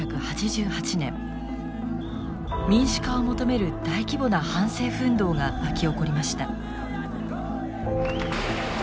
民主化を求める大規模な反政府運動が巻き起こりました。